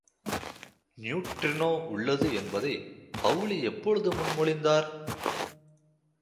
Neutrino உள்ளது என்பதை Pauli எப்பொழுது முன் மொழிந்தார்?